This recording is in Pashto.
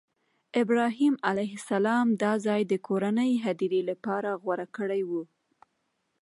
ابراهیم علیه السلام دا ځای د کورنۍ هدیرې لپاره غوره کړی و.